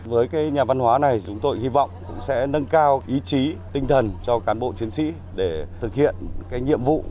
với nhà văn hóa này chúng tôi hy vọng sẽ nâng cao ý chí tinh thần cho cán bộ chiến sĩ để thực hiện nhiệm vụ